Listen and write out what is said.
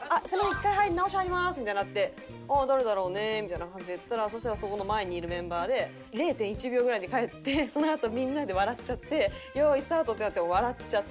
１回直し入ります」みたいになって「誰だろうね？」みたいな感じで言ってたらそしたらそこの前にいるメンバーで０．１秒くらいで帰ってそのあとみんなで笑っちゃって「用意スタート！」ってなっても笑っちゃって。